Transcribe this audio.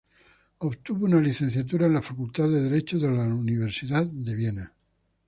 Obtuvo una licenciatura en la Facultad de Derecho de la Universidad de Viena.